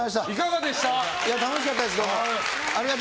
楽しかったです。